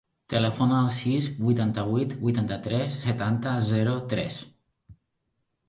Telefona al sis, vuitanta-vuit, vuitanta-tres, setanta, zero, tres.